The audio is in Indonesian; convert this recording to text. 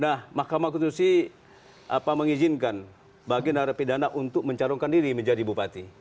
nah mahkamah ketentusi mengizinkan bagian dari pidana untuk mencarungkan diri menjadi bupati